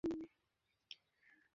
ভিতরে দিয়ে দাও।